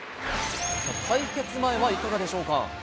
対決前はいかがでしょうか。